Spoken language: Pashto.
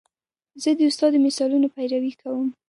زه د استاد د مثالونو پیروي کوم.